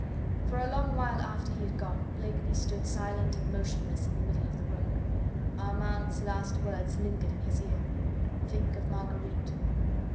For a long while after he had gone Blakeney stood silent and motionless in the middle of the room. Armand's last words lingered in his ear: "Think of Marguerite!"